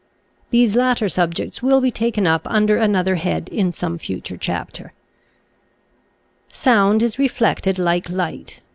These latter subjects will be taken up under another head in some future chapter. Sound is reflected like light.